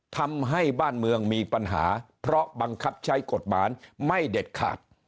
ทำให้บ้านเมืองมีปัญหาเพราะบังคับใช้กฎหมายไม่เด็ดขาด